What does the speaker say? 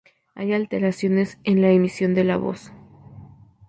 Hay alteraciones en la emisión de la voz.